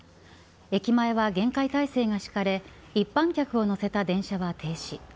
駅前は厳戒態勢が敷かれ一般客を乗せた列車は停止。